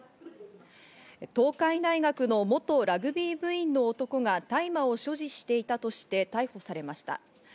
東海大学の元ラグビー部員の男が大麻を所持していたとして、逮捕されました。